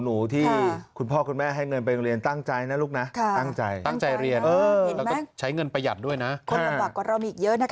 อืม